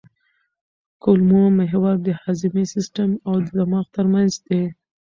کولمو محور د هاضمي سیستم او دماغ ترمنځ دی.